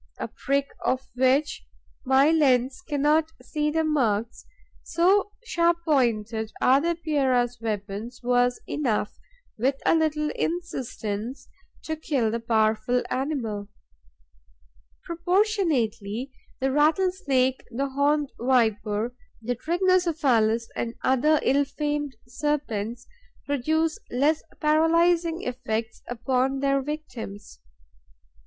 A prick of which my lens cannot see the marks, so sharp pointed are the Epeira's weapons, was enough, with a little insistence, to kill the powerful animal. Proportionately, the Rattlesnake, the Horned Viper, the Trigonocephalus and other ill famed serpents produce less paralysing effects upon their victims.